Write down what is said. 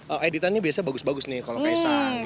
editannya biasanya bagus bagus nih kalau kaya sang gitu